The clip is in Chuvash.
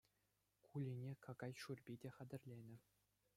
Кулине какай шӳрпи те хатӗрленӗ.